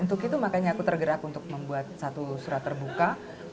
untuk itu makanya aku tergerak untuk membuat satu surat terbuka